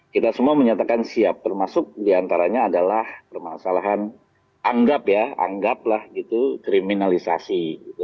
kita semua menyatakan siap termasuk diantaranya adalah permasalahan anggaplah kriminalisasi